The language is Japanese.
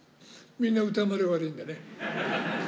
みんな歌丸が悪いんだね。